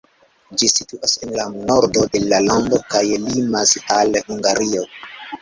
Ĝi situas en la nordo de la lando kaj limas al Hungario.